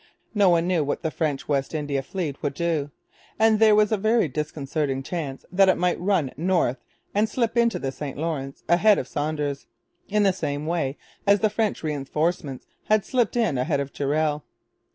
No one knew what the French West India fleet would do; and there was a very disconcerting chance that it might run north and slip into the St Lawrence, ahead of Saunders, in the same way as the French reinforcements had just slipped in ahead of Durell.